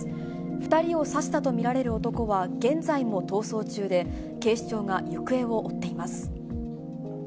２人を刺したと見られる男は、現在も逃走中で、警視庁が行方を追っています。